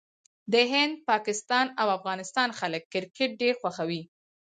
د هند، پاکستان او افغانستان خلک کرکټ ډېر خوښوي.